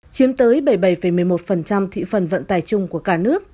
chiếm tới bảy mươi bảy một mươi một thị phần vận tải chung của cả nước